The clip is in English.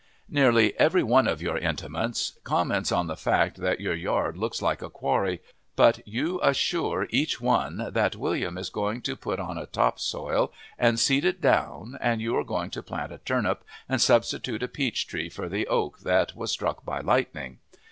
Nearly every one of your Intimates comments on the fact that your yard looks like a quarry, but you assure each one that William is going to put on a top soil and seed it down and you are going to plant a turnip and substitute a peach tree for the oak that was struck by lightning.